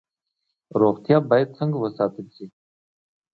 روغتیا باید څنګه وساتل شي؟